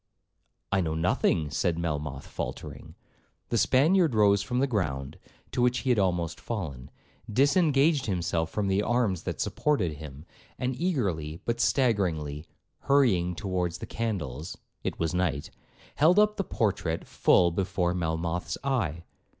'—'I know nothing,' said Melmoth faultering. The Spaniard rose from the ground, to which he had almost fallen, disengaged himself from the arms that supported him, and eagerly, but staggeringly, hurrying towards the candles, (it was night), held up the portrait full before Melmoth's eye.